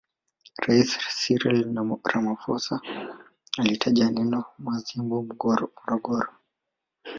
Rais Cyril Ramaphosa alilitaja eneo la Mazimbu Morogoro